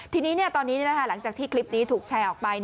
ทีนี้ตอนนี้หลังจากที่คลิปนี้ถูกแชร์ออกไป